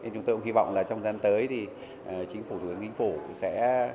chúng tôi cũng hy vọng trong gian tới thì chính phủ thường hình phủ sẽ